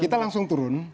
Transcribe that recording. kita langsung turun